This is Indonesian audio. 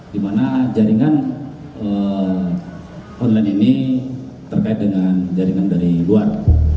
di mana jaringan online ini terkait dengan jaringan dari luar